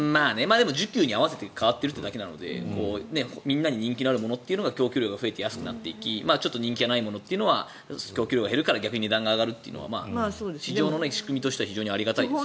需給によって変わっているだけなのでみんなに人気のあるものが供給量が増えて、安くなっていきちょっと人気がないものは供給量が減るから値段が上がるというのは市場の仕組みとしてはありがたいですよね。